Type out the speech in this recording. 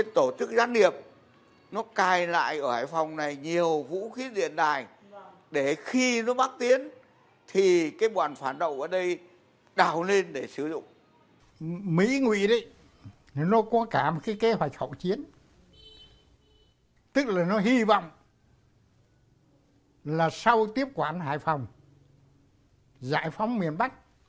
tức là nó hy vọng là sau tiếp quản hải phòng giải phóng miền bắc